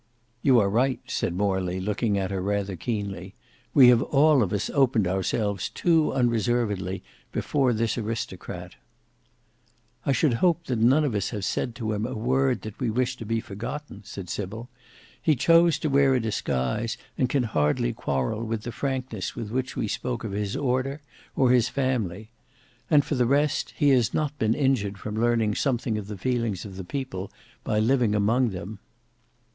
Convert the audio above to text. "You are right," said Morley, looking at her rather keenly. "We have all of us opened ourselves too unreservedly before this aristocrat." "I should hope that none of us have said to him a word that we wish to be forgotten," said Sybil. "He chose to wear a disguise, and can hardly quarrel with the frankness with which we spoke of his order or his family. And for the rest, he has not been injured from learning something of the feelings of the people by living among them."